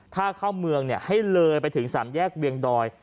ถ้าเข้าเมืองให้เลยไปถึงสามแยกเวียงดอย